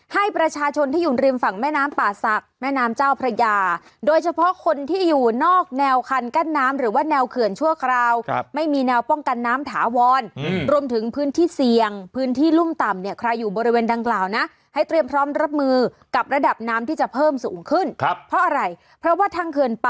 ให้ประชาชนที่อยู่ริมฝั่งแม่น้ำป่าศักดิ์แม่น้ำเจ้าพระยาโดยเฉพาะคนที่อยู่นอกแนวคันกั้นน้ำหรือว่าแนวเขื่อนชั่วคราวไม่มีแนวป้องกันน้ำถาวรรวมถึงพื้นที่เสี่ยงพื้นที่รุ่มต่ำเนี่ยใครอยู่บริเวณดังกล่าวนะให้เตรียมพร้อมรับมือกับระดับน้ำที่จะเพิ่มสูงขึ้นครับเพราะอะไรเพราะว่าทางเขื่อนป